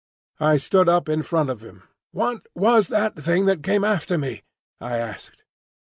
I stood up in front of him. "What was that thing that came after me?" I asked.